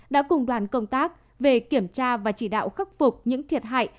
đã cùng đoàn công tác về kiểm tra và chỉ đạo khắc phục những thiệt hại